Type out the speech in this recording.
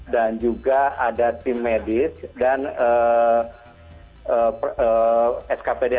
dan juga ada tim medis dan skpd